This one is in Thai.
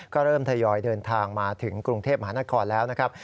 ก็เริ่มทยอยเดินทางมาถึงกรุงเทพมหานครแล้วนะครับ